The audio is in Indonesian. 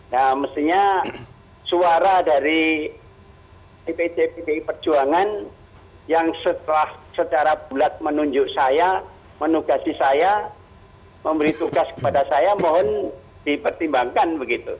nah mestinya suara dari dpc pdi perjuangan yang setelah secara bulat menunjuk saya menugasi saya memberi tugas kepada saya mohon dipertimbangkan begitu